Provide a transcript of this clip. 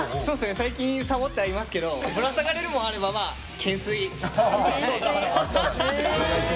最近サボってはいますけどぶら下がれるものがあれば懸垂。